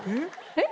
えっ？